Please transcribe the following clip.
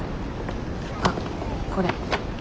あっこれ。